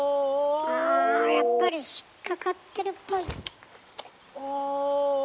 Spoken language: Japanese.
あやっぱり引っかかってるっぽい。